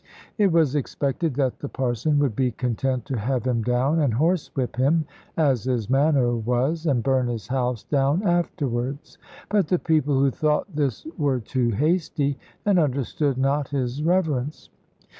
It was expected that the Parson would be content to have him down and horsewhip him (as his manner was), and burn his house down afterwards. But the people who thought this were too hasty, and understood not his reverence.